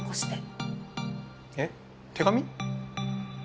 えっ手紙？